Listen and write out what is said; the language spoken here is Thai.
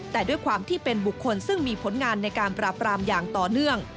แต่ด้วยความที่เป็นบุคคลซึ่งมีผลงานในการปราบรามอย่างต่อเนื่อง